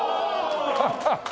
ハハハハ！